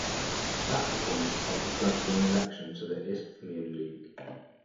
That performance helped the club gain election to the Isthmian League.